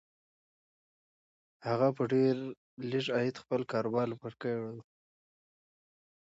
هغه په ډېر لږ عاید خپل کاروبار پیل کړی و